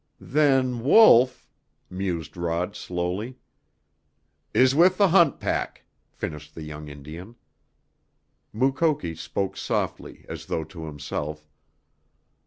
"Then Wolf " mused Rod slowly. "Is with the hunt pack," finished the young Indian. Mukoki spoke softly, as though to himself.